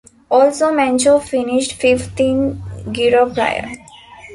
Also Menchov finished fifth in Giro prior.